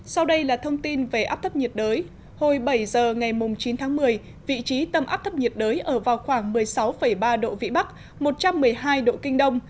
sau đây là thông tin về áp thấp nhiệt đới hồi bảy giờ ngày chín tháng một mươi vị trí tâm áp thấp nhiệt đới ở vào khoảng một mươi sáu ba độ vĩ bắc một trăm một mươi hai độ kinh đông